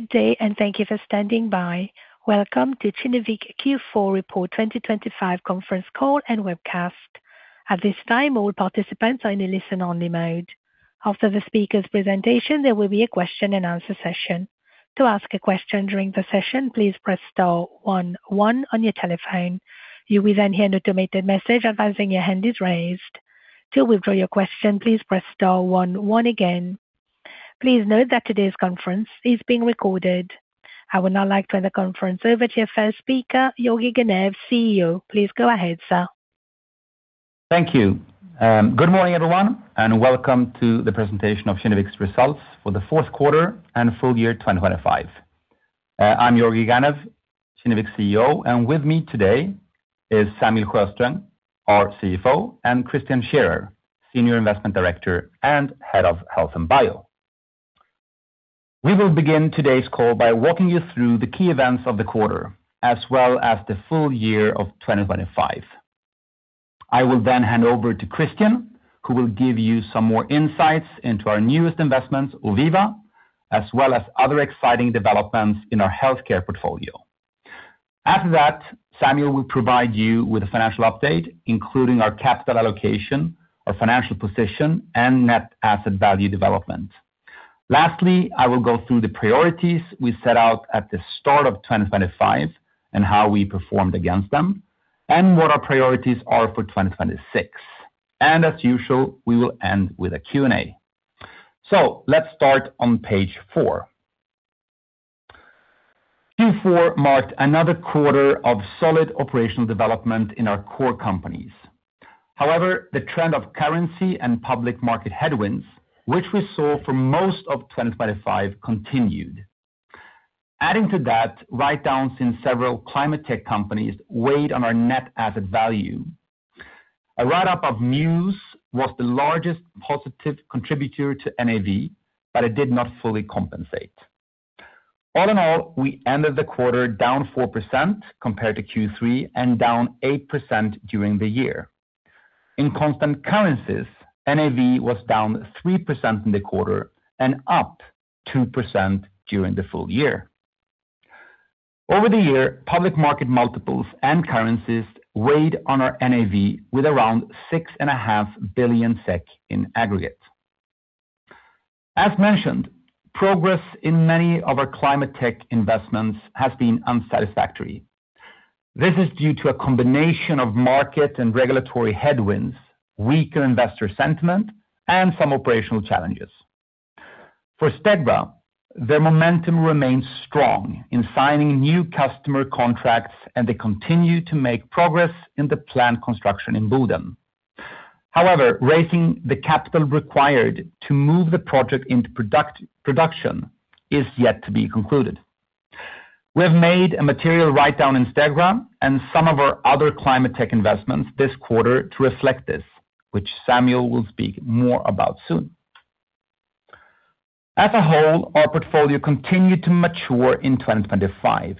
Good day, and thank you for standing by. Welcome to Kinnevik Q4 2025 Report Conference Call and Webcast. At this time, all participants are in a listen-only mode. After the speaker's presentation, there will be a Q&A session. To ask a question during the session, please press star one one on your telephone. You will then hear an automated message advising your hand is raised. To withdraw your question, please press star one one again. Please note that today's conference is being recorded. I would now like to hand the conference over to your first speaker, Georgi Ganev, CEO. Please go ahead, sir. Thank you. Good morning, everyone, and welcome to the presentation of Kinnevik's results for the fourth quarter and full year 2025. I'm Georgi Ganev, Kinnevik's CEO, and with me today is Samuel Sjöström, our CFO, and Christian Scherrer, Senior Investment Director and Head of Health and Bio. We will begin today's call by walking you through the key events of the quarter, as well as the full year of 2025. I will then hand over to Christian, who will give you some more insights into our newest investment, Oviva, as well as other exciting developments in our healthcare portfolio. After that, Samuel will provide you with a financial update, including our capital allocation, our financial position, and net asset value development. Lastly, I will go through the priorities we set out at the start of 2025 and how we performed against them, and what our priorities are for 2026. And as usual, we will end with a Q&A. So let's start on page four. Q4 marked another quarter of solid operational development in our core companies. However, the trend of currency and public market headwinds, which we saw for most of 2025, continued. Adding to that, write-downs in several climate tech companies weighed on our net asset value. A write-up of Mews was the largest positive contributor to NAV, but it did not fully compensate. All in all, we ended the quarter down 4% compared to Q3 and down 8% during the year. In constant currencies, NAV was down 3% in the quarter and up 2% during the full year. Over the year, public market multiples and currencies weighed on our NAV with around 6.5 billion SEK in aggregate. As mentioned, progress in many of our climate tech investments has been unsatisfactory. This is due to a combination of market and regulatory headwinds, weaker investor sentiment, and some operational challenges. For Stegra, their momentum remains strong in signing new customer contracts, and they continue to make progress in the plant construction in Boden. However, raising the capital required to move the project into production is yet to be concluded. We have made a material write-down in Stegra and some of our other climate tech investments this quarter to reflect this, which Samuel will speak more about soon. As a whole, our portfolio continued to mature in 2025,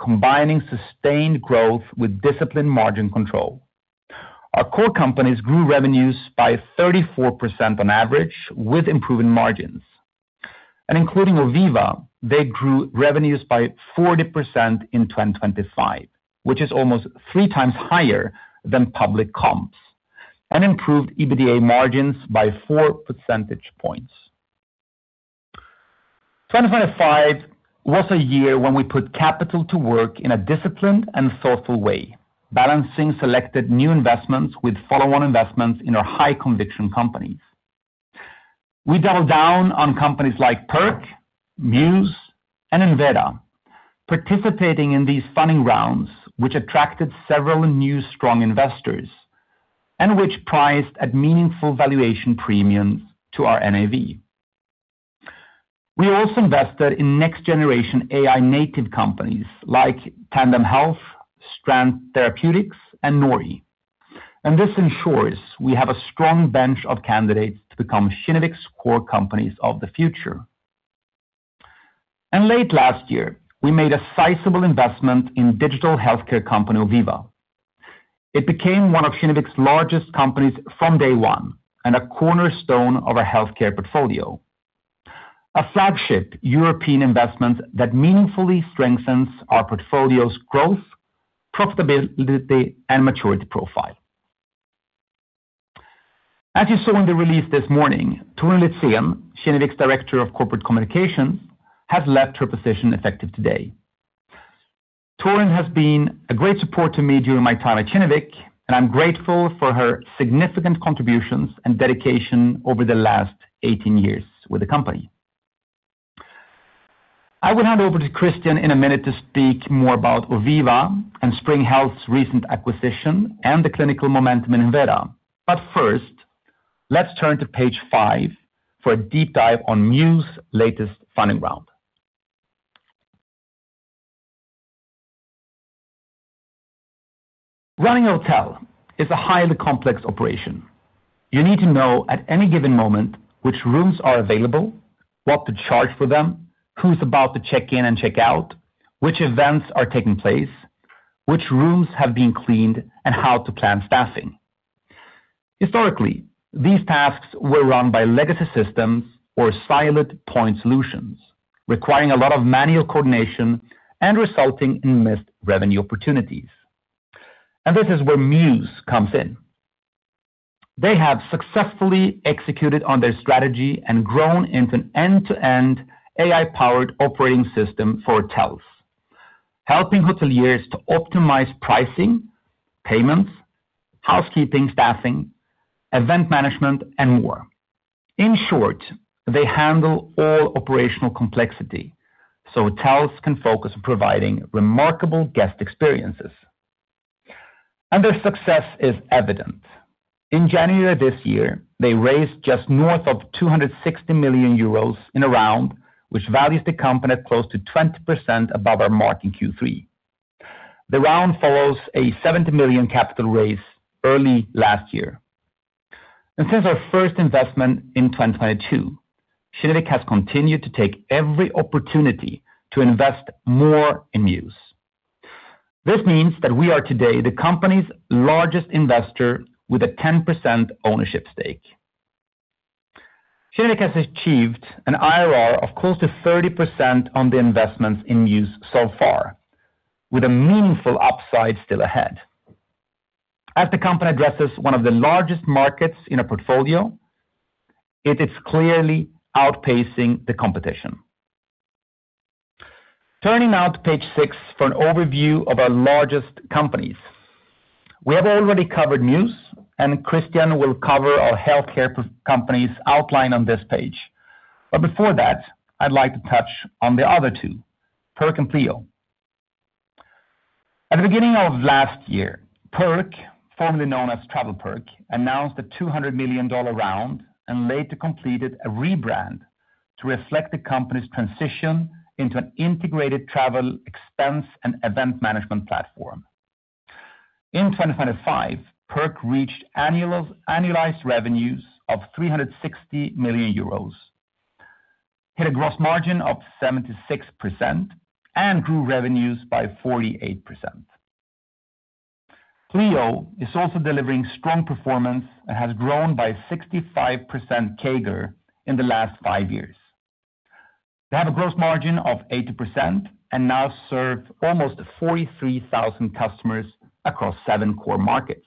combining sustained growth with disciplined margin control. Our core companies grew revenues by 34% on average, with improving margins. Including Oviva, they grew revenues by 40% in 2025, which is almost three times higher than public comps, and improved EBITDA margins by four percentage points. 2025 was a year when we put capital to work in a disciplined and thoughtful way, balancing selected new investments with follow-on investments in our high-conviction companies. We doubled down on companies like TravelPerk, Mews, and Enveda, participating in these funding rounds, which attracted several new strong investors, and which priced at meaningful valuation premiums to our NAV. We also invested in next-generation AI-native companies like Tandem Health, Strand Therapeutics, and Nory. This ensures we have a strong bench of candidates to become Kinnevik's core companies of the future. Late last year, we made a sizable investment in digital healthcare company, Oviva. It became one of Kinnevik's largest companies from day one and a cornerstone of our healthcare portfolio, a flagship European investment that meaningfully strengthens our portfolio's growth, profitability, and maturity profile. As you saw in the release this morning, Torun Litzén, Kinnevik's Director of Corporate Communications, has left her position effective today. Torun has been a great support to me during my time at Kinnevik, and I'm grateful for her significant contributions and dedication over the last 18 years with the company. I will hand over to Christian in a minute to speak more about Oviva and Spring Health's recent acquisition and the clinical momentum in Enveda. But first, let's turn to page five for a deep dive on Mews's latest funding round. Running a hotel is a highly complex operation. You need to know at any given moment which rooms are available, what to charge for them, who's about to check in and check out, which events are taking place, which rooms have been cleaned, and how to plan staffing. Historically, these tasks were run by legacy systems or silent point solutions, requiring a lot of manual coordination and resulting in missed revenue opportunities. And this is where Mews comes in. They have successfully executed on their strategy and grown into an end-to-end AI-powered operating system for hotels, helping hoteliers to optimize pricing, payments, housekeeping, staffing, event management, and more. In short, they handle all operational complexity, so hotels can focus on providing remarkable guest experiences. And their success is evident. In January of this year, they raised just north of 260 million euros in a round, which values the company close to 20% above our mark in Q3. The round follows a 70 million capital raise early last year. Since our first investment in 2022, Kinnevik has continued to take every opportunity to invest more in Mews. This means that we are today the company's largest investor with a 10% ownership stake. Kinnevik has achieved an IRR of close to 30% on the investments in Mews so far, with a meaningful upside still ahead. As the company addresses one of the largest markets in a portfolio, it is clearly outpacing the competition. Turning now to page six for an overview of our largest companies. We have already covered Mews, and Christian will cover our healthcare companies outlined on this page. But before that, I'd like to touch on the other two, Perk and Pleo. At the beginning of last year, Perk, formerly known as TravelPerk, announced a $200 million round and later completed a rebrand to reflect the company's transition into an integrated travel, expense, and event management platform. In 2025, Perk reached annualized revenues of 360 million euros, hit a gross margin of 76%, and grew revenues by 48%. Pleo is also delivering strong performance and has grown by 65% CAGR in the last five years. They have a gross margin of 80% and now serve almost 43,000 customers across 7 core markets.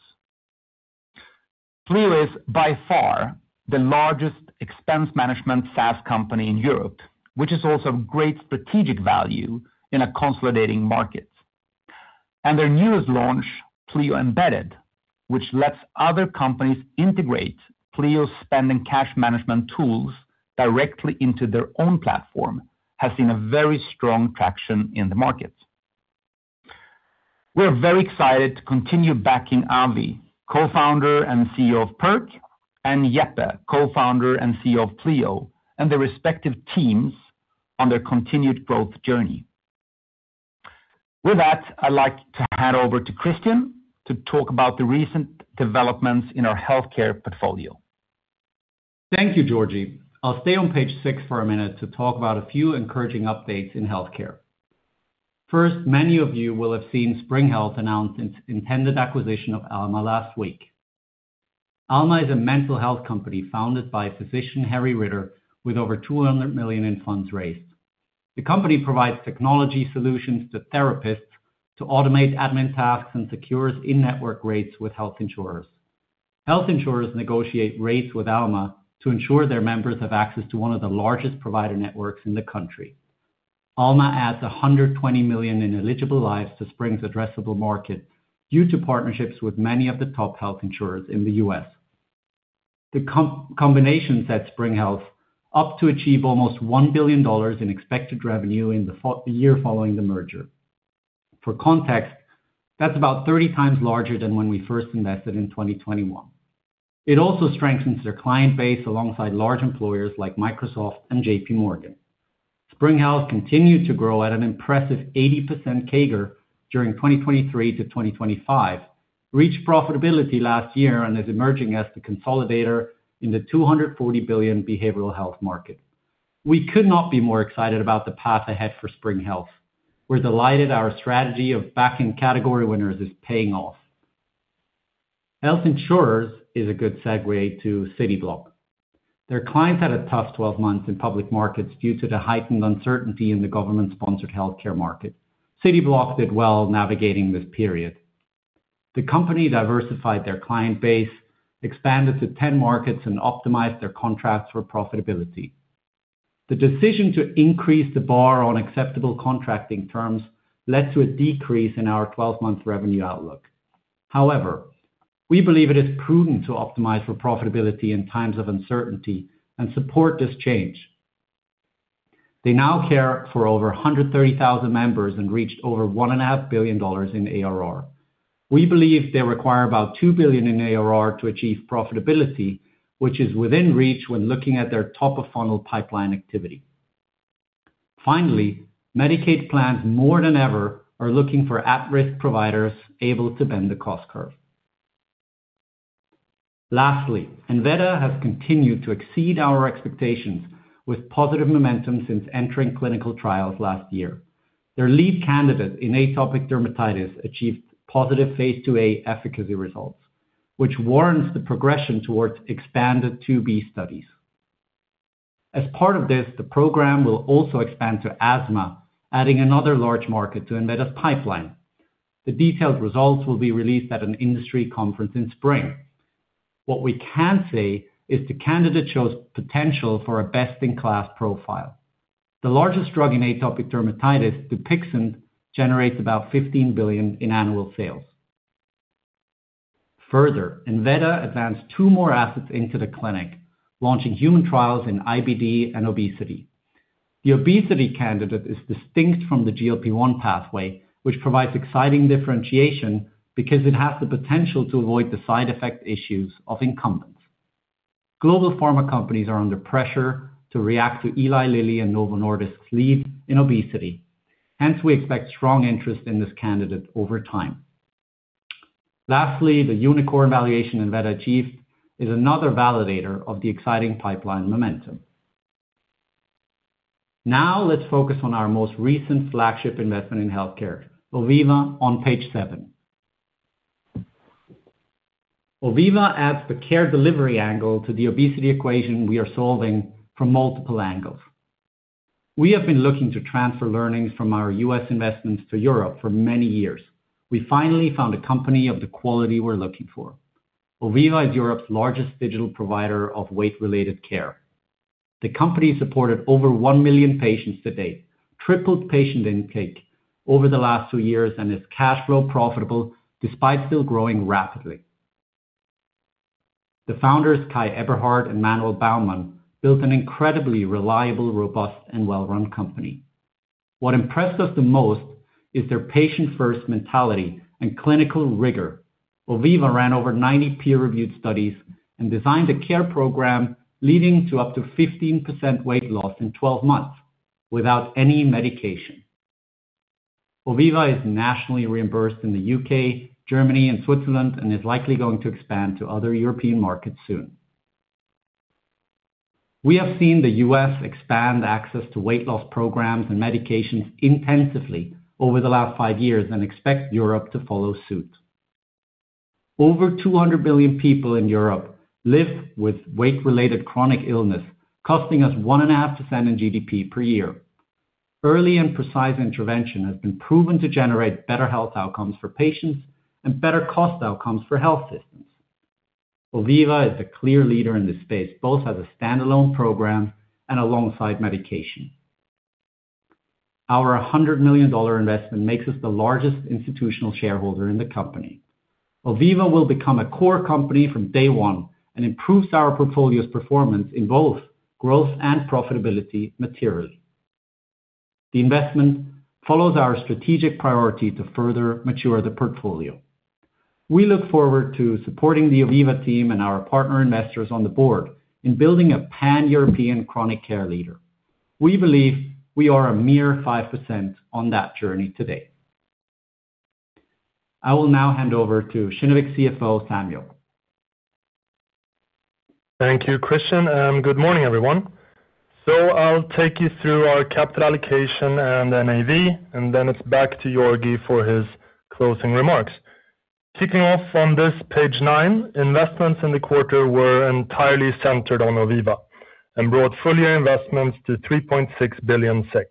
Pleo is, by far, the largest expense management SaaS company in Europe, which is also of great strategic value in a consolidating market. Their newest launch, Pleo Embedded, which lets other companies integrate Pleo's spending cash management tools directly into their own platform, has seen very strong traction in the market. We are very excited to continue backing Avi, co-founder and CEO of Perk, and Jeppe, co-founder and CEO of Pleo, and their respective teams on their continued growth journey. With that, I'd like to hand over to Christian to talk about the recent developments in our healthcare portfolio. Thank you, Georgi. I'll stay on page six for a minute to talk about a few encouraging updates in healthcare. First, many of you will have seen Spring Health announce its intended acquisition of Alma last week. Alma is a mental health company founded by physician Harry Ritter, with over $200 million in funds raised. The company provides technology solutions to therapists to automate admin tasks and secures in-network rates with health insurers. Health insurers negotiate rates with Alma to ensure their members have access to one of the largest provider networks in the country. Alma adds 120 million in eligible lives to Spring's addressable market due to partnerships with many of the top health insurers in the U.S. The combination sets Spring Health up to achieve almost $1 billion in expected revenue in the year following the merger. For context, that's about 30 times larger than when we first invested in 2021. It also strengthens their client base alongside large employers like Microsoft and J.P. Morgan. Spring Health continued to grow at an impressive 80% CAGR during 2023-2025, reached profitability last year and is emerging as the consolidator in the $240 billion behavioral health market. We could not be more excited about the path ahead for Spring Health. We're delighted our strategy of backing category winners is paying off. Health insurers is a good segue to Cityblock. Their clients had a tough 12 months in public markets due to the heightened uncertainty in the government-sponsored healthcare market. Cityblock did well navigating this period. The company diversified their client base, expanded to 10 markets, and optimized their contracts for profitability. The decision to increase the bar on acceptable contracting terms led to a decrease in our twelve-month revenue outlook. However, we believe it is prudent to optimize for profitability in times of uncertainty and support this change. They now care for over 130,000 members and reached over $1.5 billion in ARR. We believe they require about $2 billion in ARR to achieve profitability, which is within reach when looking at their top-of-funnel pipeline activity. Finally, Medicaid plans, more than ever, are looking for at-risk providers able to bend the cost curve. Lastly, Enveda has continued to exceed our expectations with positive momentum since entering clinical trials last year. Their lead candidate in atopic dermatitis achieved positive phase IIa efficacy results, which warrants the progression towards expanded IIb studies. As part of this, the program will also expand to asthma, adding another large market to Enveda's pipeline. The detailed results will be released at an industry conference in spring. What we can say is the candidate shows potential for a best-in-class profile. The largest drug in atopic dermatitis, Dupixent, generates about $15 billion in annual sales. Further, Enveda advanced two more assets into the clinic, launching human trials in IBD and obesity. The obesity candidate is distinct from the GLP-1 pathway, which provides exciting differentiation because it has the potential to avoid the side effect issues of incumbents. Global pharma companies are under pressure to react to Eli Lilly and Novo Nordisk's lead in obesity, hence we expect strong interest in this candidate over time. Lastly, the unicorn valuation Enveda achieved is another validator of the exciting pipeline momentum. Now let's focus on our most recent flagship investment in healthcare, Oviva, on page seven. Oviva adds the care delivery angle to the obesity equation we are solving from multiple angles. We have been looking to transfer learnings from our U.S. investments to Europe for many years. We finally found a company of the quality we're looking for. Oviva is Europe's largest digital provider of weight-related care. The company supported over 1 million patients to date, tripled patient intake over the last 2 years, and is cash flow profitable, despite still growing rapidly. The founders, Kai Eberhardt and Manuel Baumann, built an incredibly reliable, robust, and well-run company. What impressed us the most is their patient-first mentality and clinical rigor. Oviva ran over 90 peer-reviewed studies and designed a care program leading to up to 15% weight loss in 12 months without any medication. Oviva is nationally reimbursed in the U.K., Germany, and Switzerland, and is likely going to expand to other European markets soon. We have seen the U.S. expand access to weight loss programs and medications intensively over the last five years and expect Europe to follow suit. Over 200 million people in Europe live with weight-related chronic illness, costing us 1.5% in GDP per year. Early and precise intervention has been proven to generate better health outcomes for patients and better cost outcomes for health systems. Oviva is a clear leader in this space, both as a standalone program and alongside medication. Our $100 million investment makes us the largest institutional shareholder in the company. Oviva will become a core company from day one and improves our portfolio's performance in both growth and profitability materially. The investment follows our strategic priority to further mature the portfolio. We look forward to supporting the Oviva team and our partner investors on the board in building a Pan-European chronic care leader. We believe we are a mere 5% on that journey today. I will now hand over to Kinnevik CFO, Samuel. Thank you, Christian, and good morning, everyone. So I'll take you through our capital allocation and NAV, and then it's back to Georgi for his closing remarks. Kicking off on this page nine, investments in the quarter were entirely centered on Oviva and brought full-year investments to 3.6 billion SEK.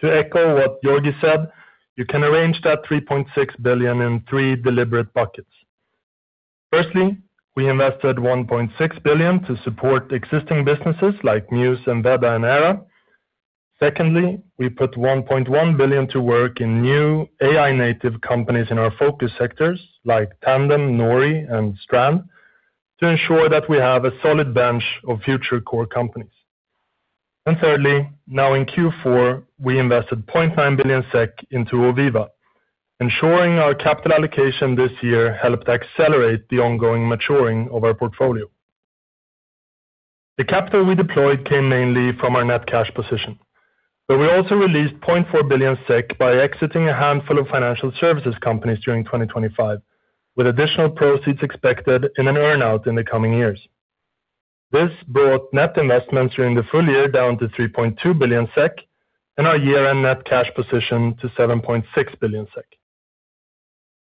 To echo what Georgi said, you can arrange that 3.6 billion in three deliberate buckets. Firstly, we invested 1.6 billion to support existing businesses like Mews and Enveda and Aira. Secondly, we put 1.1 billion to work in new AI-native companies in our focus sectors like Tandem Health, Nory, and Strand Therapeutics, to ensure that we have a solid bench of future core companies. And thirdly, now in Q4, we invested 0.9 billion SEK into Oviva, ensuring our capital allocation this year helped accelerate the ongoing maturing of our portfolio. The capital we deployed came mainly from our net cash position, but we also released 0.4 billion SEK by exiting a handful of financial services companies during 2025, with additional proceeds expected in an earn-out in the coming years. This brought net investments during the full year down to 3.2 billion SEK, and our year-end net cash position to 7.6 billion SEK.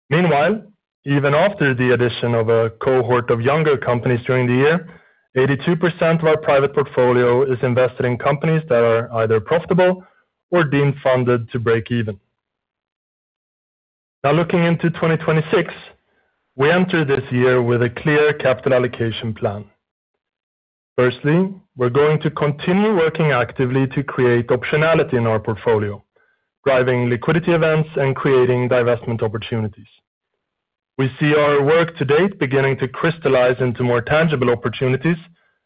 Meanwhile, even after the addition of a cohort of younger companies during the year, 82% of our private portfolio is invested in companies that are either profitable or being funded to break even. Now, looking into 2026, we enter this year with a clear capital allocation plan. Firstly, we're going to continue working actively to create optionality in our portfolio, driving liquidity events and creating divestment opportunities. We see our work to date beginning to crystallize into more tangible opportunities,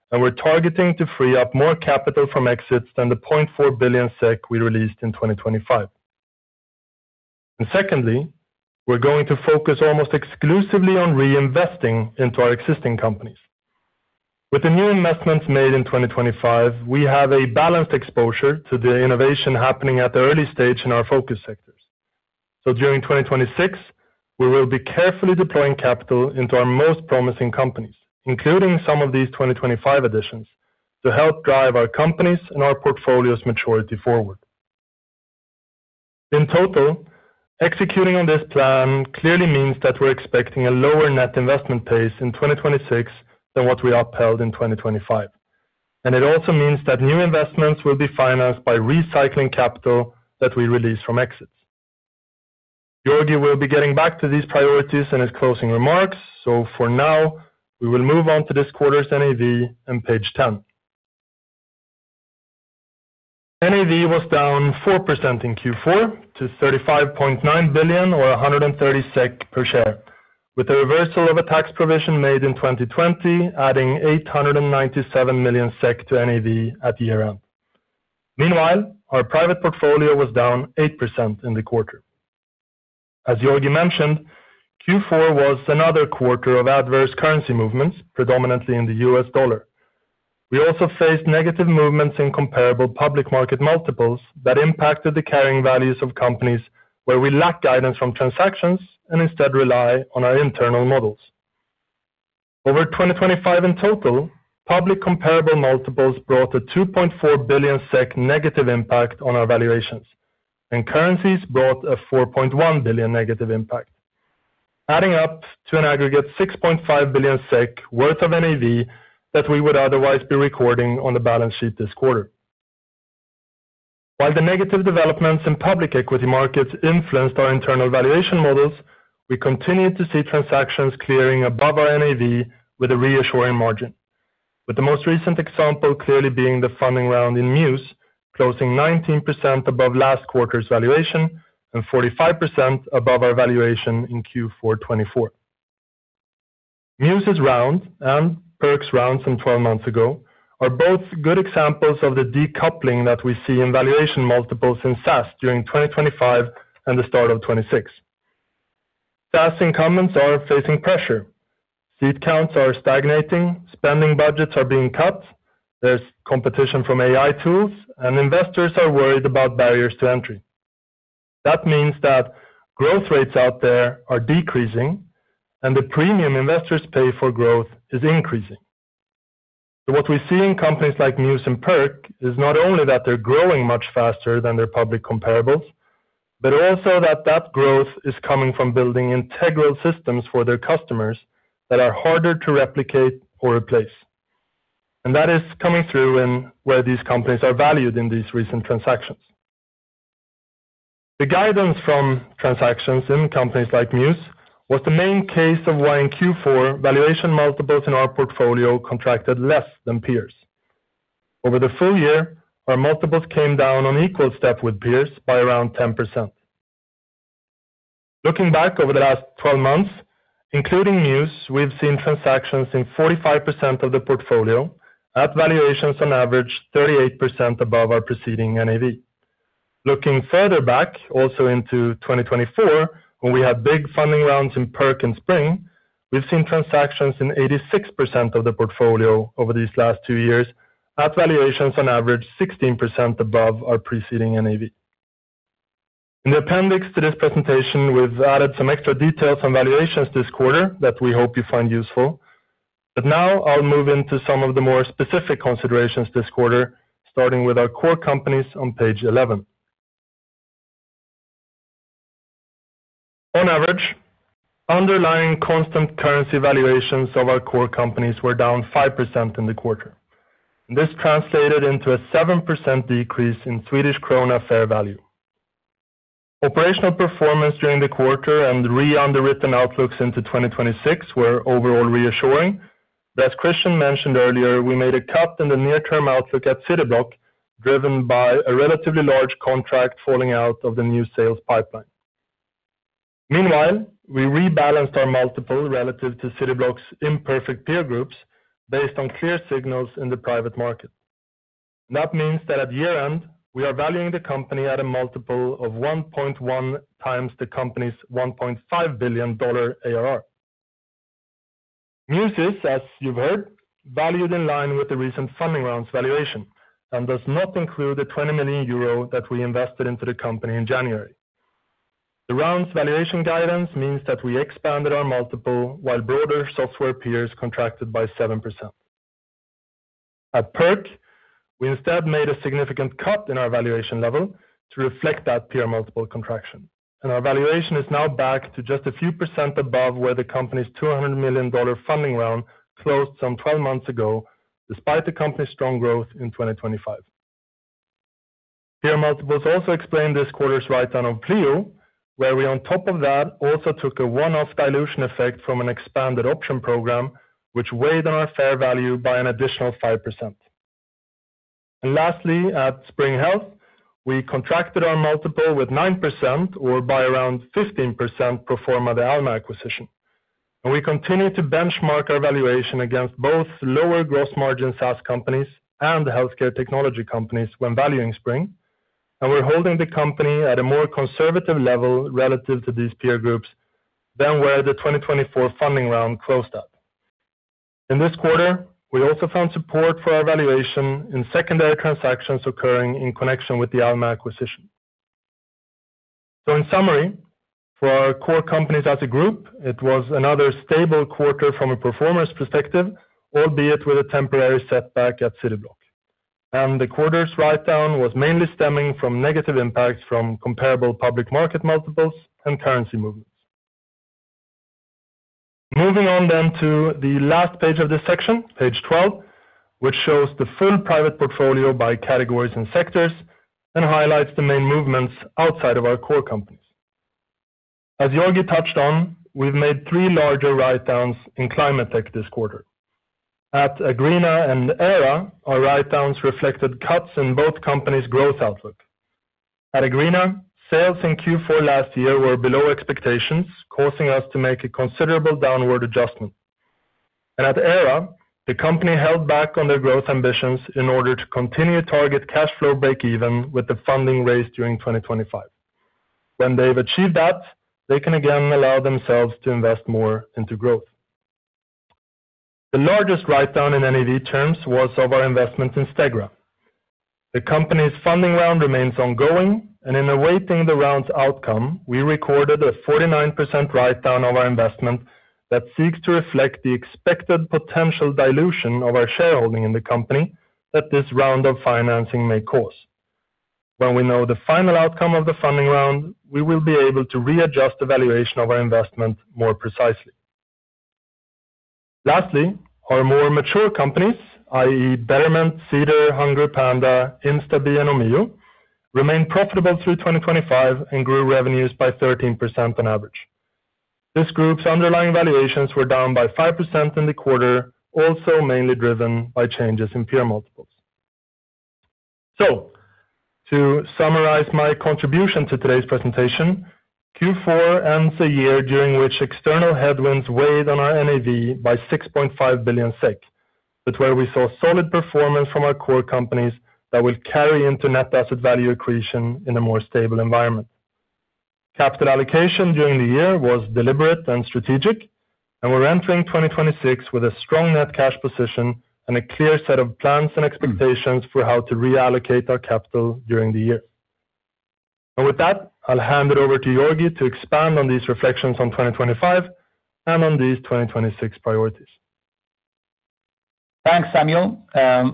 and we're targeting to free up more capital from exits than the 0.4 billion SEK we released in 2025. Secondly, we're going to focus almost exclusively on reinvesting into our existing companies. With the new investments made in 2025, we have a balanced exposure to the innovation happening at the early stage in our focus sectors. During 2026, we will be carefully deploying capital into our most promising companies, including some of these 2025 additions, to help drive our companies and our portfolio's maturity forward. In total, executing on this plan clearly means that we're expecting a lower net investment pace in 2026 than what we upheld in 2025. It also means that new investments will be financed by recycling capital that we release from exits. Georgi will be getting back to these priorities in his closing remarks. So for now, we will move on to this quarter's NAV on page 10. NAV was down 4% in Q4 to 35.9 billion or 130 SEK per share, with the reversal of a tax provision made in 2020, adding 897 million SEK to NAV at year-end. Meanwhile, our private portfolio was down 8% in the quarter. As Georgi mentioned, Q4 was another quarter of adverse currency movements, predominantly in the US dollar. We also faced negative movements in comparable public market multiples that impacted the carrying values of companies where we lack guidance from transactions and instead rely on our internal models. Over 2025 in total, public comparable multiples brought a 2.4 billion SEK negative impact on our valuations, and currencies brought a 4.1 billion negative impact, adding up to an aggregate 6.5 billion SEK worth of NAV that we would otherwise be recording on the balance sheet this quarter. While the negative developments in public equity markets influenced our internal valuation models, we continued to see transactions clearing above our NAV with a reassuring margin, with the most recent example clearly being the funding round in Mews, closing 19% above last quarter's valuation and 45% above our valuation in Q4 2024. Mews's round and Perk's rounds from 12 months ago are both good examples of the decoupling that we see in valuation multiples in SaaS during 2025 and the start of 2026. SaaS incumbents are facing pressure. Seat counts are stagnating, spending budgets are being cut, there's competition from AI tools, and investors are worried about barriers to entry. That means that growth rates out there are decreasing, and the premium investors pay for growth is increasing. So what we see in companies like Mews and TravelPerk is not only that they're growing much faster than their public comparables, but also that that growth is coming from building integral systems for their customers that are harder to replicate or replace. And that is coming through in where these companies are valued in these recent transactions. The guidance from transactions in companies like Mews was the main case of why in Q4, valuation multiples in our portfolio contracted less than peers. Over the full year, our multiples came down on equal step with peers by around 10%. Looking back over the last 12 months, including Mews, we've seen transactions in 45% of the portfolio at valuations on average 38% above our preceding NAV. Looking further back, also into 2024, when we had big funding rounds in Perk and Spring, we've seen transactions in 86% of the portfolio over these last two years, at valuations on average 16% above our preceding NAV. In the appendix to this presentation, we've added some extra details on valuations this quarter that we hope you find useful. But now I'll move into some of the more specific considerations this quarter, starting with our core companies on page 11. On average, underlying constant currency valuations of our core companies were down 5% in the quarter. This translated into a 7% decrease in Swedish krona fair value. Operational performance during the quarter and re-underwritten outlooks into 2026 were overall reassuring. But as Christian mentioned earlier, we made a cut in the near-term outlook at Cityblock, driven by a relatively large contract falling out of the new sales pipeline. Meanwhile, we rebalanced our multiple relative to Cityblock's imperfect peer groups based on clear signals in the private market. That means that at year-end, we are valuing the company at a multiple of 1.1x the company's $1.5 billion ARR. Mews is, as you've heard, valued in line with the recent funding rounds valuation and does not include the 20 million euro that we invested into the company in January. The round's valuation guidance means that we expanded our multiple, while broader software peers contracted by 7%. At Perk, we instead made a significant cut in our valuation level to reflect that peer multiple contraction, and our valuation is now back to just a few percent above where the company's $200 million funding round closed some 12 months ago, despite the company's strong growth in 2025. Peer multiples also explained this quarter's write-down of Pleo, where we, on top of that, also took a one-off dilution effect from an expanded option program, which weighed on our fair value by an additional 5%. And lastly, at Spring Health, we contracted our multiple with 9% or by around 15% pro forma the Alma acquisition. We continue to benchmark our valuation against both lower gross margin SaaS companies and healthcare technology companies when valuing Spring, and we're holding the company at a more conservative level relative to these peer groups than where the 2024 funding round closed at. In this quarter, we also found support for our valuation in secondary transactions occurring in connection with the Alma acquisition. So in summary, for our core companies as a group, it was another stable quarter from a performance perspective, albeit with a temporary setback at Cityblock. And the quarter's write-down was mainly stemming from negative impacts from comparable public market multiples and currency movements. Moving on then to the last page of this section, page 12, which shows the full private portfolio by categories and sectors and highlights the main movements outside of our core companies. As Georgi touched on, we've made three larger write-downs in climate tech this quarter. At Agreena and Aira, our write-downs reflected cuts in both companies' growth outlook. At Agreena, sales in Q4 last year were below expectations, causing us to make a considerable downward adjustment. At Aira, the company held back on their growth ambitions in order to continue to target cash flow breakeven with the funding raised during 2025. When they've achieved that, they can again allow themselves to invest more into growth. The largest write-down in NAV terms was of our investment in Stegra. The company's funding round remains ongoing, and in awaiting the round's outcome, we recorded a 49% write-down of our investment that seeks to reflect the expected potential dilution of our shareholding in the company that this round of financing may cause. When we know the final outcome of the funding round, we will be able to readjust the valuation of our investment more precisely. Lastly, our more mature companies, i.e., Betterment, Cedar, HungryPanda, Instabee, and Omio, remained profitable through 2025 and grew revenues by 13% on average. This group's underlying valuations were down by 5% in the quarter, also mainly driven by changes in peer multiples. To summarize my contribution to today's presentation, Q4 ends a year during which external headwinds weighed on our NAV by 6.5 billion SEK, but where we saw solid performance from our core companies that will carry into net asset value accretion in a more stable environment. Capital allocation during the year was deliberate and strategic, and we're entering 2026 with a strong net cash position and a clear set of plans and expectations for how to reallocate our capital during the year. With that, I'll hand it over to Georgi to expand on these reflections on 2025 and on these 2026 priorities. Thanks, Samuel.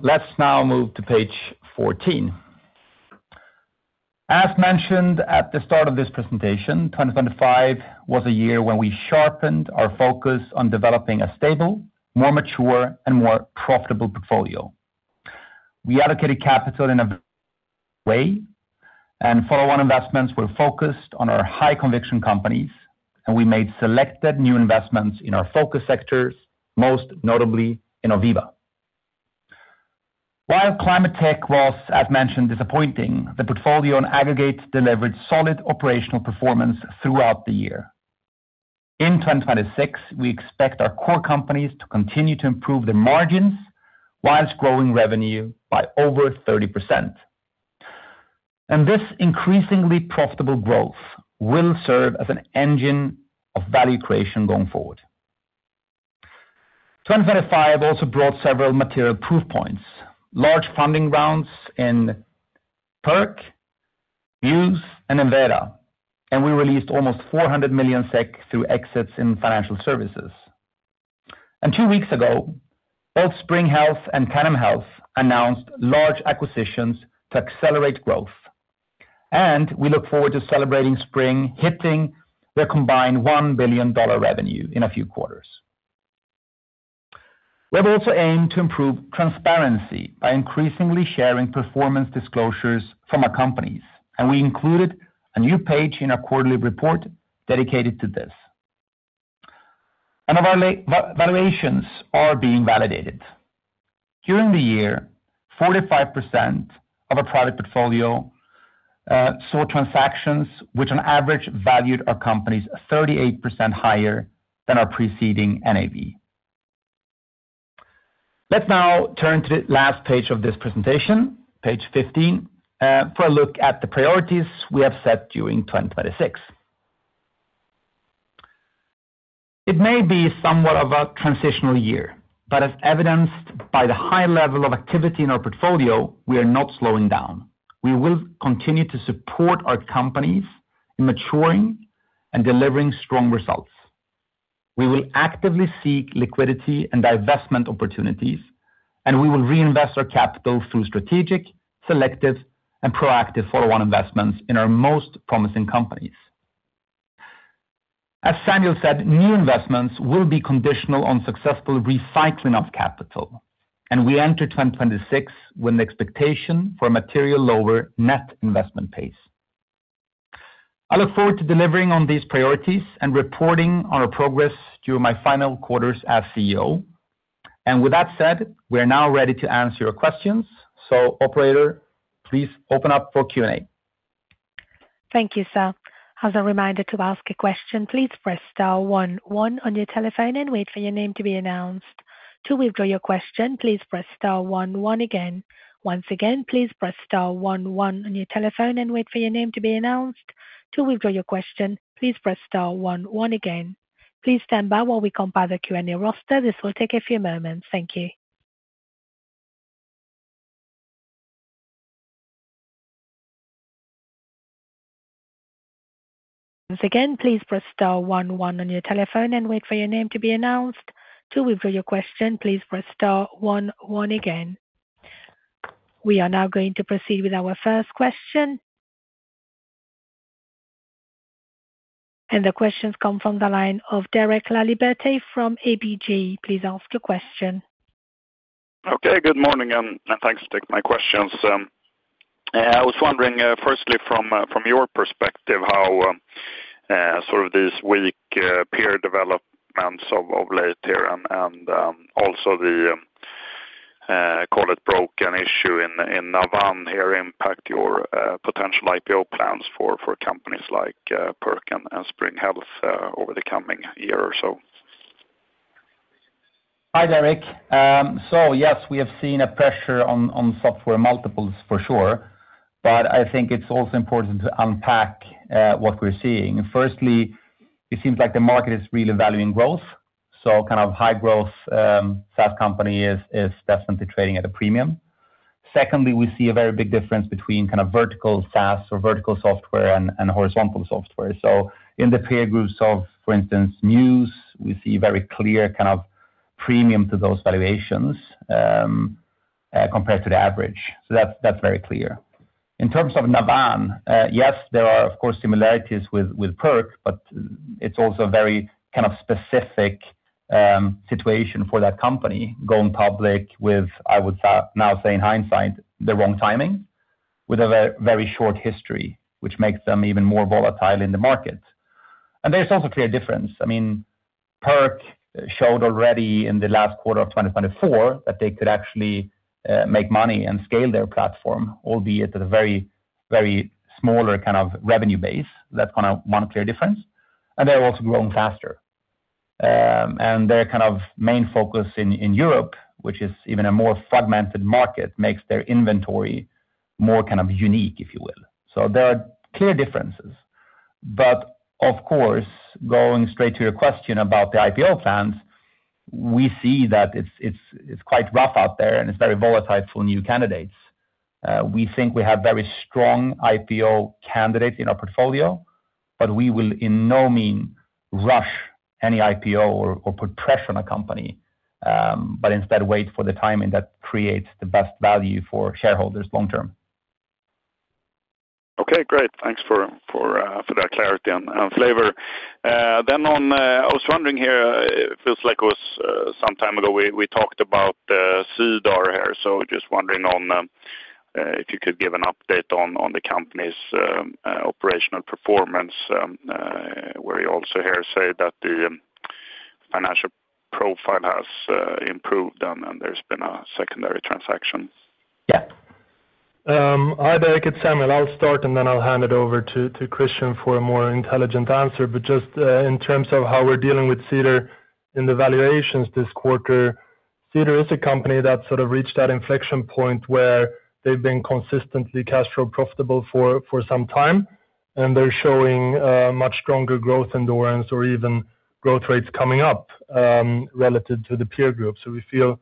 Let's now move to page 14. As mentioned at the start of this presentation, 2025 was a year when we sharpened our focus on developing a stable, more mature, and more profitable portfolio. We allocated capital in a way, and follow-on investments were focused on our high conviction companies, and we made selected new investments in our focus sectors, most notably in Aira. While climate tech was, as mentioned, disappointing, the portfolio on aggregate delivered solid operational performance throughout the year. In 2026, we expect our core companies to continue to improve their margins while growing revenue by over 30%. This increasingly profitable growth will serve as an engine of value creation going forward. 2025 also brought several material proof points, large funding rounds in Perk, Mews, and Enveda, and we released almost 400 million SEK through exits in financial services. And two weeks ago, both Spring Health and Tandem Health announced large acquisitions to accelerate growth, and we look forward to celebrating Spring hitting their combined $1 billion revenue in a few quarters. We've also aimed to improve transparency by increasingly sharing performance disclosures from our companies, and we included a new page in our quarterly report dedicated to this. And our valuations are being validated. During the year, 45% of our product portfolio saw transactions which on average valued our companies 38% higher than our preceding NAV. Let's now turn to the last page of this presentation, page 15, for a look at the priorities we have set during 2026. It may be somewhat of a transitional year, but as evidenced by the high level of activity in our portfolio, we are not slowing down. We will continue to support our companies in maturing and delivering strong results. We will actively seek liquidity and divestment opportunities, and we will reinvest our capital through strategic, selective, and proactive follow-on investments in our most promising companies. As Samuel said, new investments will be conditional on successful recycling of capital, and we enter 2026 with an expectation for material lower net investment pace. I look forward to delivering on these priorities and reporting on our progress during my final quarters as CEO. With that said, we are now ready to answer your questions. Operator, please open up for Q&A. Thank you, sir. As a reminder, to ask a question, please press star one one on your telephone and wait for your name to be announced. To withdraw your question, please press star one one again. Once again, please press star one one on your telephone and wait for your name to be announced. To withdraw your question, please press star one one again. Please stand by while we compile the Q&A roster. This will take a few moments. Thank you. Again, please press star one one on your telephone and wait for your name to be announced. To withdraw your question, please press star one one again. We are now going to proceed with our first question. The questions come from the line of Derek Laliberté from ABG. Please ask your question. Okay, good morning, and thanks to take my questions. I was wondering, firstly, from your perspective, how sort of this week peer developments of late here and call it broken issue in Navan here impact your potential IPO plans for companies like Perk and Spring Health over the coming year or so? Hi, Derek. So yes, we have seen a pressure on, on software multiples for sure, but I think it's also important to unpack, what we're seeing. Firstly, it seems like the market is really valuing growth, so kind of high growth, SaaS company is, is definitely trading at a premium. Secondly, we see a very big difference between kind of vertical SaaS or vertical software and, and horizontal software. So in the peer groups of, for instance, Mews, we see very clear kind of premium to those valuations, compared to the average. So that's, that's very clear. In terms of Navan, yes, there are of course, similarities with, with Perk, but it's also a very kind of specific, situation for that company, going public with, I would now say in hindsight, the wrong timing, with a very short history, which makes them even more volatile in the market. And there's also a clear difference. I mean, Perk showed already in the last quarter of 2024 that they could actually, make money and scale their platform, albeit at a very, very smaller kind of revenue base. That's one clear difference, and they're also growing faster. And their kind of main focus in, in Europe, which is even a more fragmented market, makes their inventory more kind of unique, if you will. So there are clear differences. But of course, going straight to your question about the IPO plans, we see that it's quite rough out there, and it's very volatile for new candidates. We think we have very strong IPO candidates in our portfolio, but we will by no means rush any IPO or put pressure on a company, but instead wait for the timing that creates the best value for shareholders long term. Okay, great. Thanks for that clarity and flavor. Then on, I was wondering here, it feels like it was some time ago, we talked about Cedar here. So just wondering on, if you could give an update on the company's operational performance, were you also here say that the financial profile has improved, and there's been a secondary transaction? Yeah. Hi, Derek, it's Samuel. I'll start, and then I'll hand it over to Christian for a more intelligent answer. But just in terms of how we're dealing with Cedar in the valuations this quarter, Cedar is a company that sort of reached that inflection point where they've been consistently cash flow profitable for some time, and they're showing much stronger growth endurance or even growth rates coming up relative to the peer group. So we feel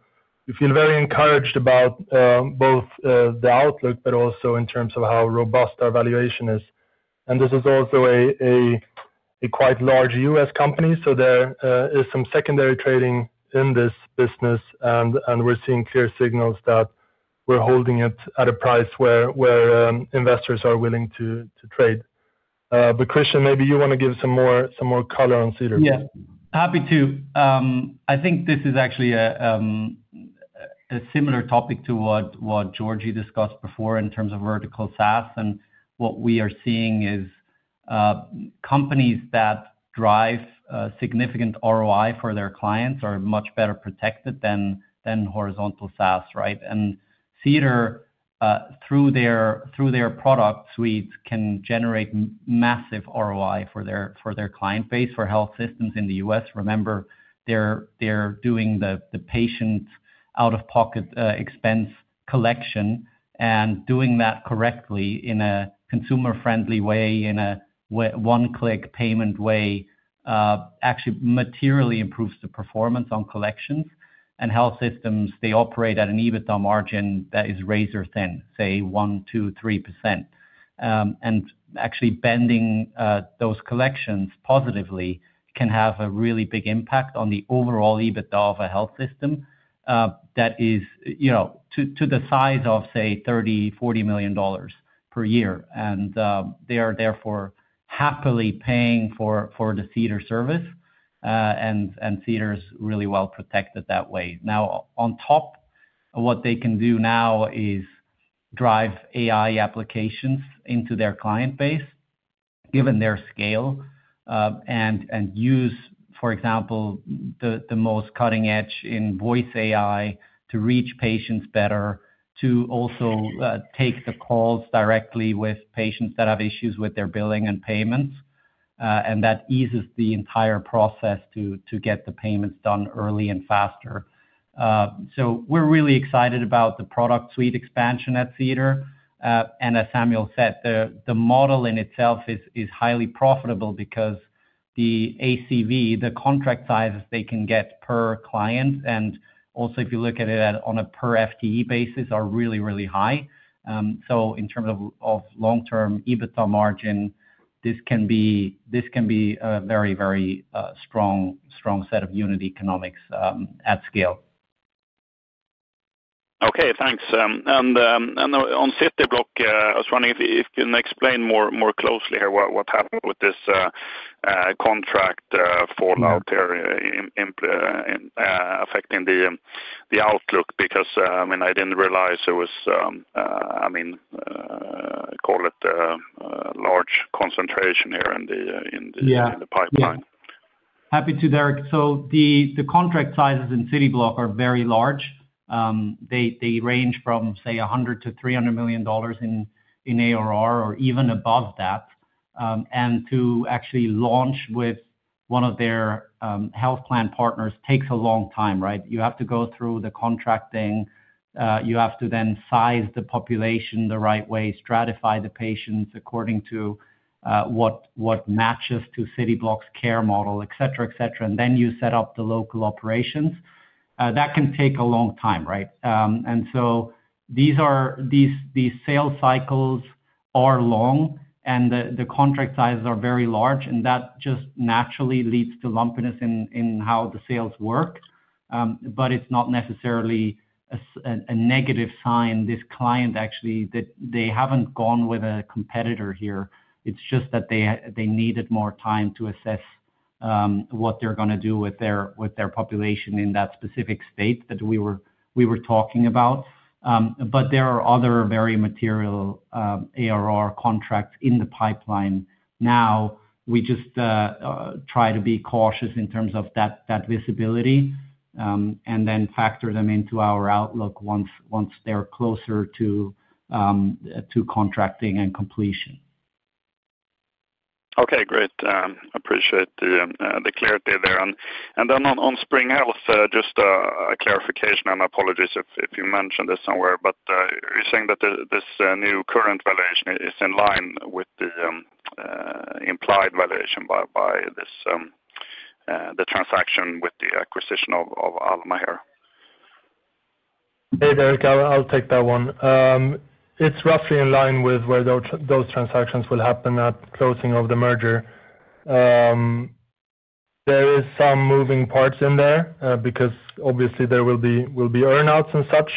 very encouraged about both the outlook, but also in terms of how robust our valuation is. And this is also a quite large US company, so there is some secondary trading in this business, and we're seeing clear signals that we're holding it at a price where investors are willing to trade. But Christian, maybe you want to give some more, some more color on Cedar. Yeah. Happy to. I think this is actually a similar topic to what Georgi discussed before in terms of vertical SaaS, and what we are seeing is companies that drive significant ROI for their clients are much better protected than horizontal SaaS, right? And Cedar through their product suites can generate massive ROI for their client base, for health systems in the U.S. Remember, they're doing the patient's out-of-pocket expense collection and doing that correctly in a consumer-friendly way, in a one-click payment way, actually materially improves the performance on collections. And health systems, they operate at an EBITDA margin that is razor-thin, say one, two, three%. Actually bending those collections positively can have a really big impact on the overall EBITDA of a health system, that is, you know, to the size of, say, $30 million-$40 million per year. They are therefore happily paying for the Cedar service, and Cedar's really well protected that way. Now, on top of what they can do now is drive AI applications into their client base, given their scale, and use, for example, the most cutting edge in voice AI to reach patients better, to also take the calls directly with patients that have issues with their billing and payments, and that eases the entire process to get the payments done early and faster. So we're really excited about the product suite expansion at Cedar. And as Samuel said, the model in itself is highly profitable because the ACV, the contract sizes they can get per client, and also if you look at it on a per FTE basis, are really, really high. So in terms of long-term EBITDA margin, this can be a very, very strong, strong set of unit economics at scale. Okay, thanks. And on Cityblock, I was wondering if you can explain more closely here, what happened with this contract fallout area impacting the outlook? Because, I mean, I didn't realize there was, I mean, call it a large concentration here in the in the Yeah. in the pipeline. Happy to, Derek. So the contract sizes in Cityblock are very large. They range from, say, $100 million-$300 million in ARR or even above that. And to actually launch with one of their health plan partners takes a long time, right? You have to go through the contracting. You have to then size the population the right way, stratify the patients according to what matches to Cityblock's care model, et cetera, et cetera, and then you set up the local operations. That can take a long time, right? And so these sales cycles are long, and the contract sizes are very large, and that just naturally leads to lumpiness in how the sales work. But it's not necessarily a negative sign. This client actually, they haven't gone with a competitor here. It's just that they needed more time to assess what they're gonna do with their population in that specific state that we were talking about. But there are other very material ARR contracts in the pipeline now. We just try to be cautious in terms of that visibility and then factor them into our outlook once they're closer to contracting and completion. Okay, great. Appreciate the clarity there. And then on Spring Health, just a clarification, and apologies if you mentioned this somewhere, but you're saying that this new current valuation is in line with the implied valuation by this, the transaction with the acquisition of Alma here? Hey, Derek, I'll take that one. It's roughly in line with where those transactions will happen at closing of the merger. There is some moving parts in there, because obviously there will be earn outs and such,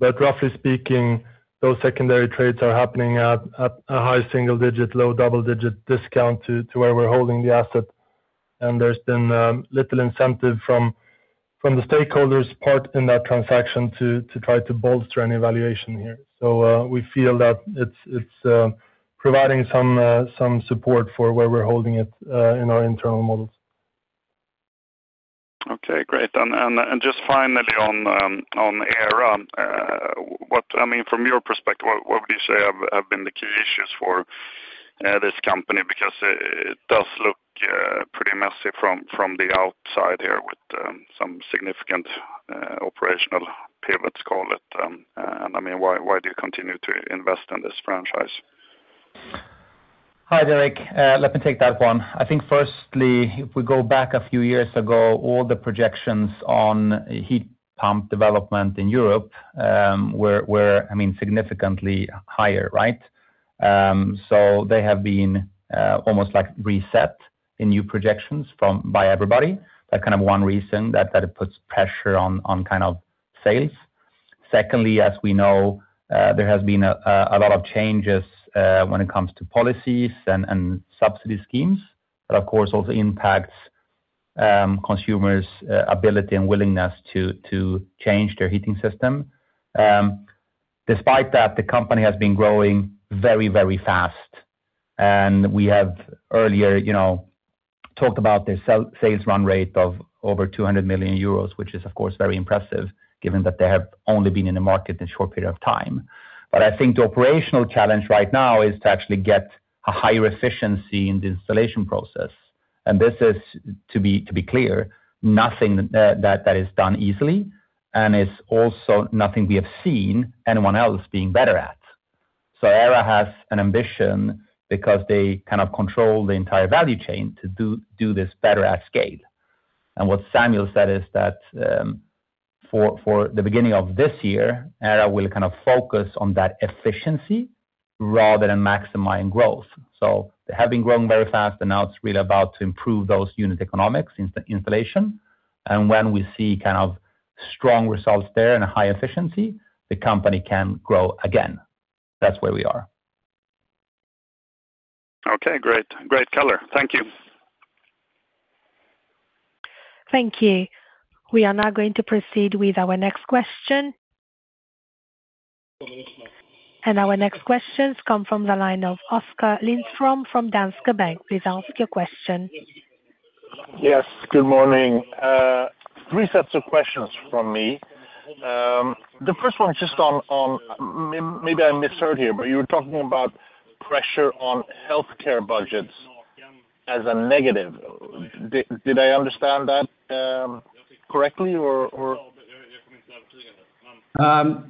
but roughly speaking, those secondary trades are happening at a high single digit, low double digit discount to where we're holding the asset. And there's been little incentive from the stakeholders' part in that transaction to try to bolster any valuation here. So, we feel that it's providing some support for where we're holding it in our internal models. Okay, great. And just finally on Aira, what, I mean, from your perspective, what would you say have been the key issues for this company? Because it does look pretty messy from the outside here with some significant operational pivots, call it. And I mean, why do you continue to invest in this franchise? Hi, Derek. Let me take that one. I think firstly, if we go back a few years ago, all the projections on heat pump development in Europe, were, I mean, significantly higher, right? So they have been, almost, like, reset in new projections from... by everybody. That's kind of one reason that it puts pressure on, kind of sales. Secondly, as we know, there has been a lot of changes, when it comes to policies and, subsidy schemes, that of course also impacts, consumers, ability and willingness to, change their heating system. Despite that, the company has been growing very, very fast, and we have earlier, you know, talked about the sales run rate of over 200 million euros, which is, of course, very impressive given that they have only been in the market a short period of time. But I think the operational challenge right now is to actually get a higher efficiency in the installation process. And this is, to be clear, nothing that is done easily, and it's also nothing we have seen anyone else being better at. So Aira has an ambition, because they kind of control the entire value chain, to do this better at scale. And what Samuel said is that, for the beginning of this year, Aira will kind of focus on that efficiency rather than maximizing growth. So they have been growing very fast, and now it's really about to improve those unit economics, installation. And when we see kind of strong results there and a high efficiency, the company can grow again. That's where we are. Okay, great. Great color. Thank you. Thank you. We are now going to proceed with our next question. Our next questions come from the line of Oskar Lindström from Danske Bank. Please ask your question. Yes, good morning. Three sets of questions from me. The first one is just on, maybe I misheard here, but you were talking about pressure on healthcare budgets as a negative. Did I understand that correctly, or?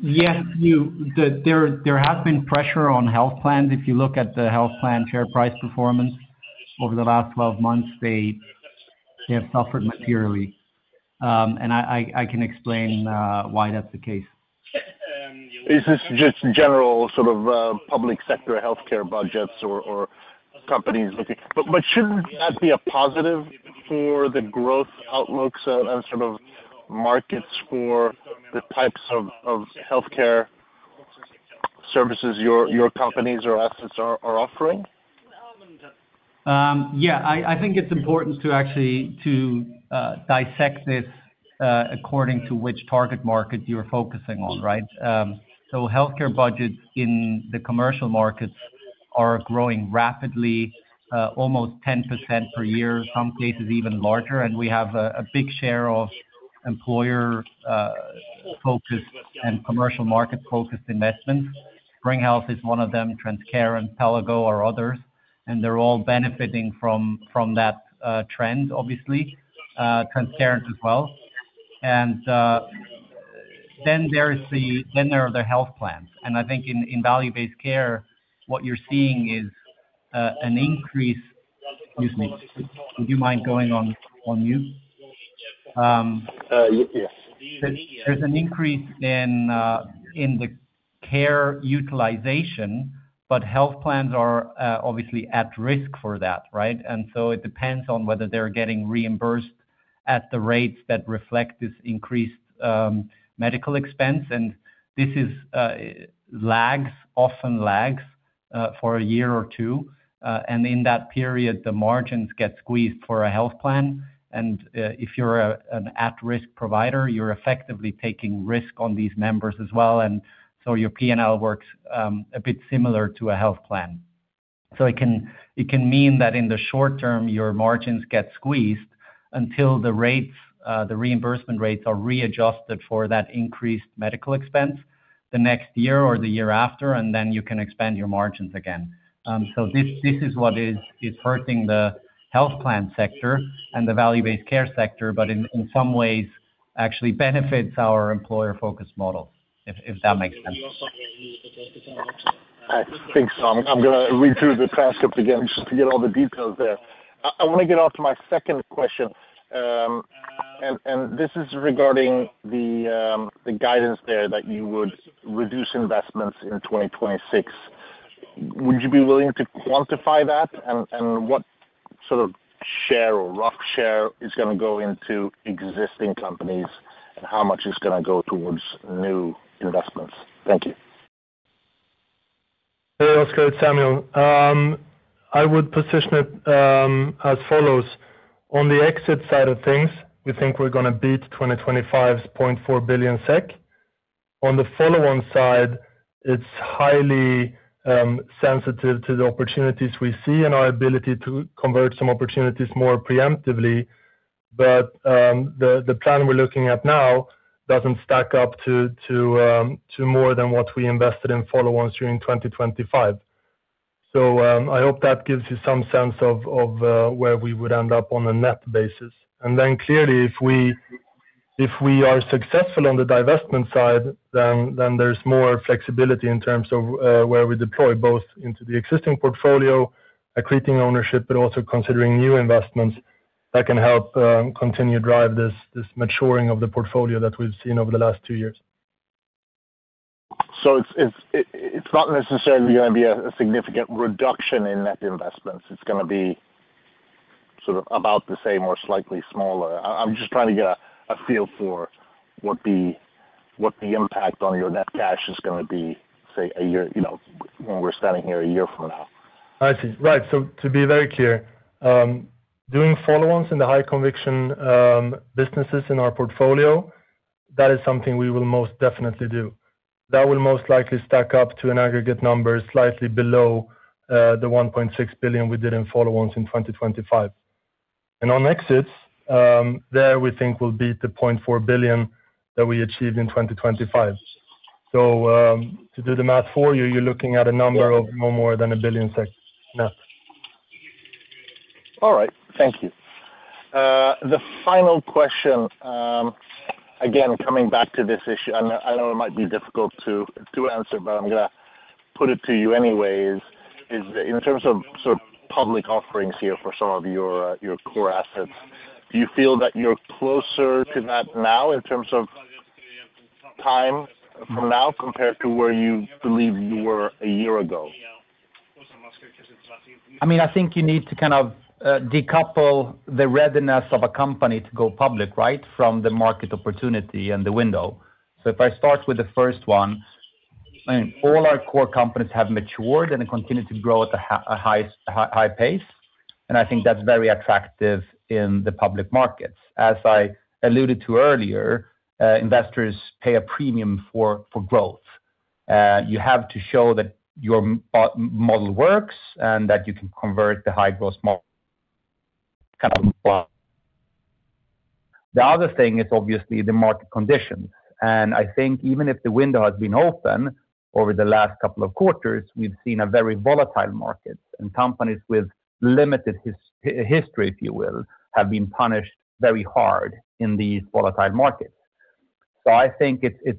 Yes, there has been pressure on health plans. If you look at the health plan share price performance over the last 12 months, they have suffered materially. I can explain why that's the case. Is this just general sort of public sector healthcare budgets or companies looking? But shouldn't that be a positive for the growth outlooks and sort of markets for the types of healthcare services your companies or assets are offering? Yeah, I think it's important to actually dissect this according to which target market you're focusing on, right? So healthcare budgets in the commercial markets are growing rapidly, almost 10% per year, some cases even larger. And we have a big share of employer focused and commercial market-focused investments. Spring Health is one of them, Transcarent, Pelago, or others, and they're all benefiting from that trend, obviously, Transcarent as well. And then there is the-- then there are the health plans. And I think in value-based care, what you're seeing is an increase... Excuse me, would you mind going on mute? Yes. There's an increase in the care utilization, but health plans are obviously at risk for that, right? And so it depends on whether they're getting reimbursed at the rates that reflect this increased medical expense. And this lags, often lags, for a year or two, and in that period, the margins get squeezed for a health plan, and if you're an at-risk provider, you're effectively taking risk on these members as well, and so your P&L works a bit similar to a health plan. So it can mean that in the short term, your margins get squeezed until the rates, the reimbursement rates are readjusted for that increased medical expense the next year or the year after, and then you can expand your margins again. So this is what is hurting the health plan sector and the value-based care sector, but in some ways, actually benefits our employer focus model, if that makes sense. I think so. I'm gonna read through the transcript again just to get all the details there. I wanna get on to my second question, and this is regarding the guidance there, that you would reduce investments in 2026. Would you be willing to quantify that? And what sort of share or rough share is gonna go into existing companies, and how much is gonna go towards new investments? Thank you. Hey, Oskar, it's Samuel. I would position it as follows: on the exit side of things, we think we're gonna beat 2025's 0.4 billion SEK. On the follow-on side, it's highly sensitive to the opportunities we see and our ability to convert some opportunities more preemptively. But the plan we're looking at now doesn't stack up to more than what we invested in follow-ons during 2025. So I hope that gives you some sense of where we would end up on a net basis. And then clearly, if we are successful on the divestment side, then there's more flexibility in terms of where we deploy, both into the existing portfolio, accreting ownership, but also considering new investments that can help continue to drive this maturing of the portfolio that we've seen over the last two years. So it's not necessarily gonna be a significant reduction in net investments. It's gonna be sort of about the same or slightly smaller. I'm just trying to get a feel for what the impact on your net cash is gonna be, say, a year, you know, when we're standing here a year from now. I see. Right. So to be very clear, doing follow-ons in the high conviction businesses in our portfolio, that is something we will most definitely do. That will most likely stack up to an aggregate number slightly below the 1.6 billion we did in follow-ons in 2025. And on exits, there, we think we'll beat the 0.4 billion that we achieved in 2025. So, to do the math for you, you're looking at a number of no more than 1 billion, net. All right, thank you. The final question, again, coming back to this issue, and I know it might be difficult to answer, but I'm gonna put it to you anyway, is in terms of sort of public offerings here for some of your core assets, do you feel that you're closer to that now in terms of time from now, compared to where you believed you were a year ago? I mean, I think you need to kind of decouple the readiness of a company to go public, right? From the market opportunity and the window. So if I start with the first one, I mean, all our core companies have matured and continue to grow at a high pace, and I think that's very attractive in the public markets. As I alluded to earlier, investors pay a premium for growth. you have to show that your model works and that you can convert the high-growth model. Kind of. The other thing is obviously the market condition, and I think even if the window has been open over the last couple of quarters, we've seen a very volatile market. And companies with limited history, if you will, have been punished very hard in these volatile markets. So I think it's...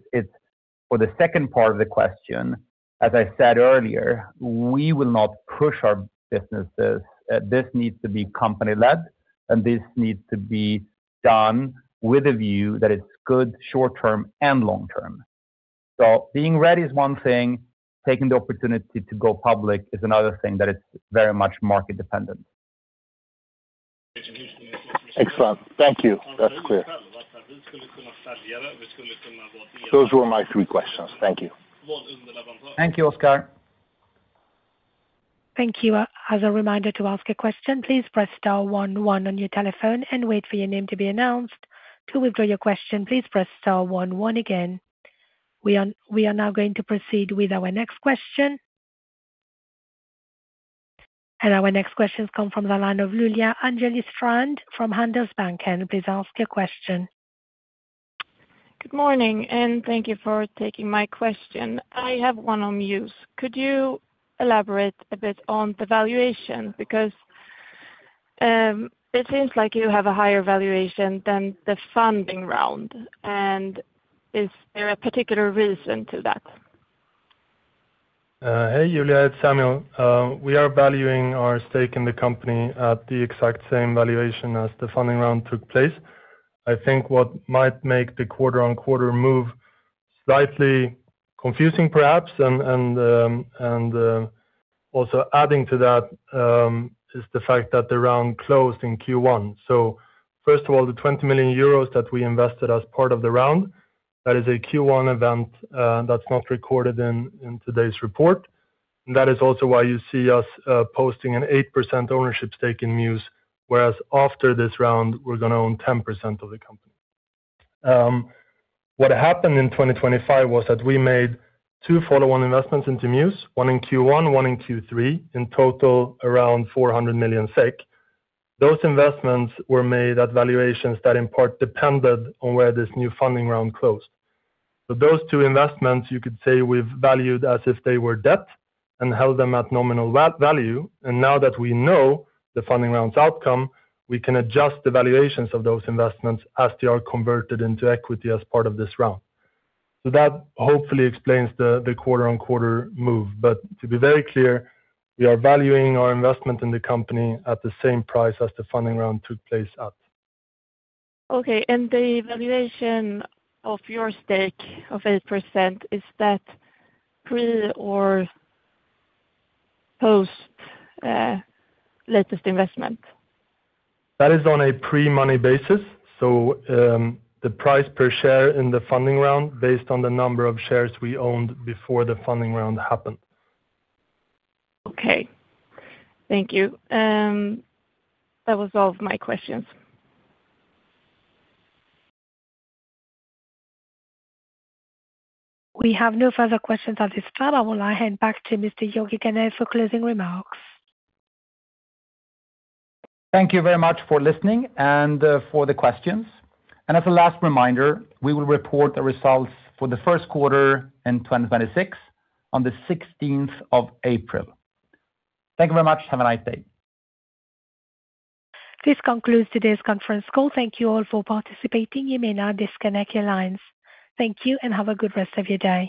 For the second part of the question, as I said earlier, we will not push our businesses. This needs to be company-led, and this needs to be done with a view that it's good short term and long term. So being ready is one thing, taking the opportunity to go public is another thing that is very much market dependent. Excellent. Thank you. That's clear. Those were my three questions. Thank you. Thank you, Oskar. Thank you. As a reminder, to ask a question, please press star one one on your telephone and wait for your name to be announced. To withdraw your question, please press star one one again. We are now going to proceed with our next question. Our next question comes from the line ofJulia Angeli Strand from Handelsbanken. Please ask your question. Good morning, and thank you for taking my question. I have one on Mews. Could you elaborate a bit on the valuation? Because, it seems like you have a higher valuation than the funding round. And is there a particular reason to that? Hey, Julia, it's Samuel. We are valuing our stake in the company at the exact same valuation as the funding round took place. I think what might make the quarter-on-quarter move slightly confusing, perhaps, and, and, also adding to that, is the fact that the round closed in Q1. So first of all, the 20 million euros that we invested as part of the round, that is a Q1 event, that's not recorded in today's report. And that is also why you see us posting an 8% ownership stake in Mews, whereas after this round, we're gonna own 10% of the company. What happened in 2025 was that we made two follow-on investments into Mews, one in Q1, one in Q3, in total, around 400 million SEK. Those investments were made at valuations that, in part, depended on where this new funding round closed. So those two investments, you could say, we've valued as if they were debt and held them at nominal value. And now that we know the funding round's outcome, we can adjust the valuations of those investments as they are converted into equity as part of this round. So that hopefully explains the quarter-on-quarter move. But to be very clear, we are valuing our investment in the company at the same price as the funding round took place at. Okay, and the valuation of your stake of 8%, is that pre or post, latest investment? That is on a pre-money basis, so, the price per share in the funding round, based on the number of shares we owned before the funding round happened. Okay. Thank you. That was all of my questions. We have no further questions at this time. I will now hand back to Mr. Georgi Ganev for closing remarks. Thank you very much for listening and for the questions. As a last reminder, we will report the results for the first quarter in 2026 on the sixteenth of April. Thank you very much. Have a nice day. This concludes today's conference call. Thank you all for participating. You may now disconnect your lines. Thank you, and have a good rest of your day.